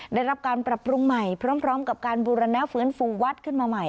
ได้รับการปรับปรุงใหม่พร้อมกับการบูรณะฟื้นฟูวัดขึ้นมาใหม่